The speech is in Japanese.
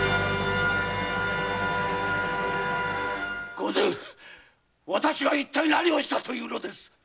御前私がいったい何をしたというのです